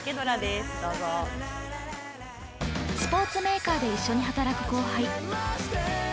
◆スポーツメーカーで一緒に働く後輩。